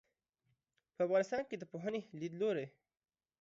په افغانستان کې د پوهنې لیدلورى